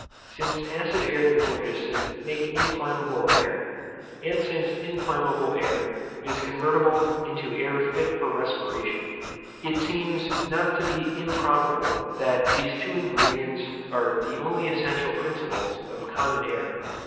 Since acid air and phlogiston make inflammable air, and since inflammable air is convertible into air fit for respiration, it seems not to be improbable, that these two ingredients are the only essential principles of common air.